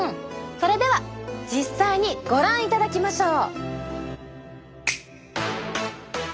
それでは実際にご覧いただきましょう！